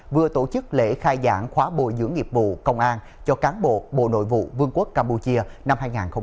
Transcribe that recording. vừa tổ chức lễ khai giảng khóa bồi dưỡng nghiệp vụ công an cho cán bộ bộ nội vụ vương quốc campuchia năm hai nghìn hai mươi ba